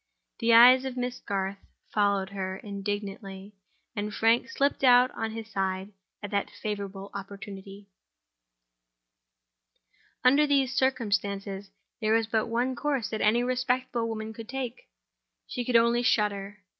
The eyes of Miss Garth followed her indignantly; and Frank slipped out on his side at that favorable opportunity. Under these circumstances, there was but one course that any respectable woman could take—she could only shudder.